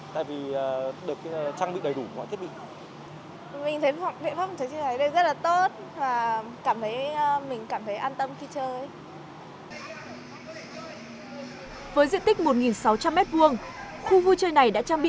tại vì được trang bị đầy đủ các thiết bị